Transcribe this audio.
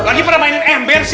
lagi pernah mainin ember sih